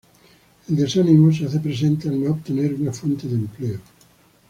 El desánimo se hace presente al no obtener una fuente de empleo.